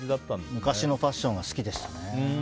昔のファッションが好きでしたね。